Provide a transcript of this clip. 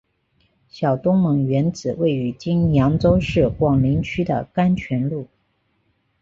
小东门原址位于今扬州市广陵区的甘泉路。